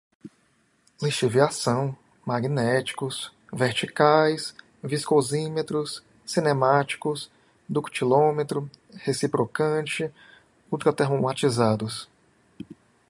lixiviação, magnéticos, verticais, viscosímetros, cinemáticos, ductilômetro, reciprocante, ultratermostatizados